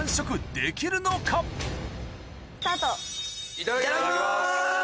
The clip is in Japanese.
いただきます。